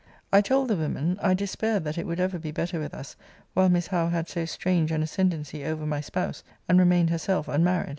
I told the women, 'I despaired that it would ever be better with us while Miss Howe had so strange an ascendancy over my spouse, and remained herself unmarried.